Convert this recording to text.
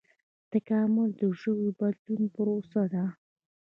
تکامل د ژویو د بدلون پروسه ده